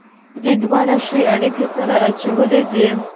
دوی دواړو ښې اړېکې سره اچولې دي.